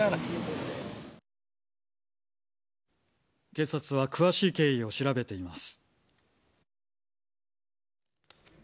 警察は詳しい経緯を調べています。